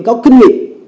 có kinh nghiệp